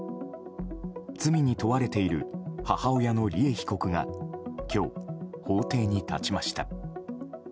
罪に問われている母親の利恵被告が今日、法廷に立ちました。